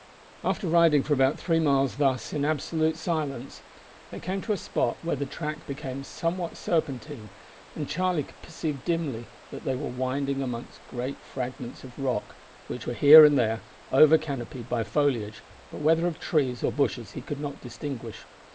After riding for about three miles thus in absolute silence, they came to a spot where the track became somewhat serpentine, and Charlie could perceive dimly that they were winding amongst great fragments of rock which were here and there over canopied by foliage, but whether of trees or bushes he could not distinguish.